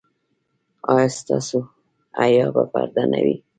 ایا ستاسو حیا به پرده نه وي؟